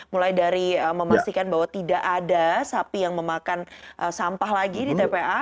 mulai dari memastikan bahwa tidak ada sapi yang memakan sampah lagi di tpa